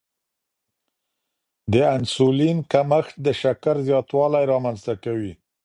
د انسولین کمښت د شکر زیاتوالی رامنځته کوي.